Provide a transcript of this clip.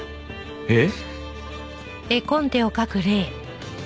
えっ？